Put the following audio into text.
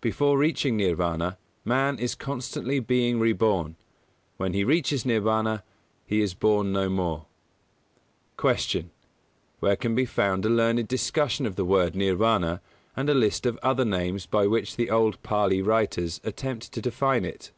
Before reaching Nirvāna man is constantly being reborn; when he reaches Nirvāna he is born no more. 131. Q. _Where can be found a learned discussion of the word Nirvāna and a list of the other names by which the old Pālī writers attempt to define it?